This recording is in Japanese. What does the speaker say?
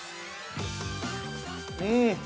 ◆うん。